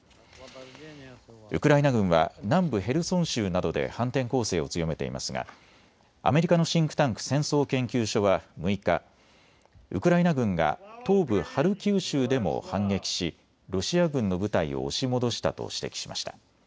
ウクライナ軍は南部ヘルソン州などで反転攻勢を強めていますがアメリカのシンクタンク、戦争研究所は６日、ウクライナ軍が東部ハルキウ州でも反撃しロシア軍の部隊を押し戻したと指摘しました。